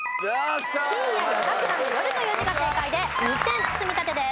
深夜夜桜の「夜」という字が正解で２点積み立てです。